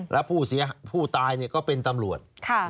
แล้วผู้ตายก็เป็นตำรวจ